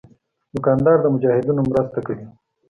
دوکاندار د مجاهدینو مرسته کوي.